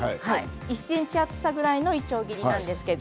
１ｃｍ厚さぐらいのいちょう切りなんですけど。